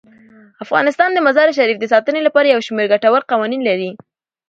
افغانستان د مزارشریف د ساتنې لپاره یو شمیر ګټور قوانین لري.